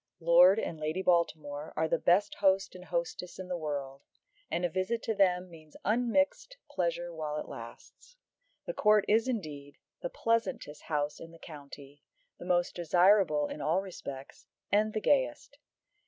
Lord and Lady Baltimore are the best host and hostess in the world, and a visit to them means unmixed pleasure while it lasts. The Court is, indeed, the pleasantest house in the county, the most desirable in all respects, and the gayest.